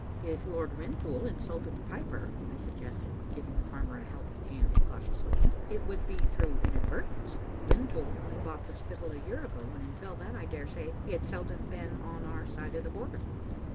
"If Lord Rintoul insulted the piper," I suggested, giving the farmer a helping hand cautiously, " it would be through inadvertence. Rintoul only bought the Spittal a year ago, and until then, I daresay, he hacl seldom been on our side of the Border."